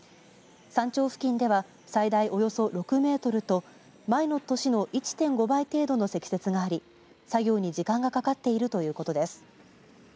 山頂付近では最大およそ６メートルと前の年の１．５倍程度の積雪があり作業に時間がかかっているということです。